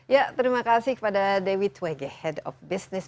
ya terima kasih kepada dewi twege head of business